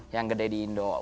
yang gede di indo